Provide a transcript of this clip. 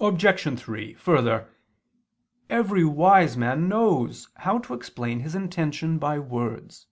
Obj. 3: Further, every wise man knows how to explain his intention by words.